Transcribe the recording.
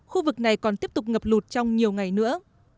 khu vực này còn tiếp tục ngập lụt trong nhiều ngày nữa